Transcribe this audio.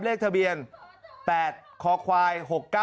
เลขทะเบียน๘คควาย๖๙